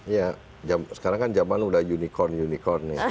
ya sekarang kan zaman udah unicorn unicorn ya